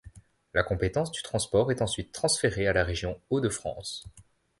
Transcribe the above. La compétence du transport est ensuite transférée à la région Hauts-de-France.